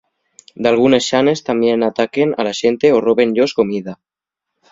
Dalgunes xanes tamién ataquen a la xente o róben-yos comida.